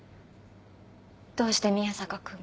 どうして宮坂君が。